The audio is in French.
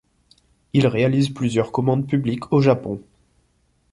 Il réalise plusieurs commandes publiques au Japon.